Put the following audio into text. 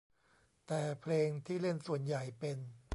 แต่เพลงที่เล่นส่วนใหญ่เป็น